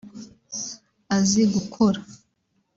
Azi gukora